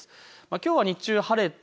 きょうは日中晴れて